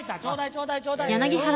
ちょうだいちょうだい。え。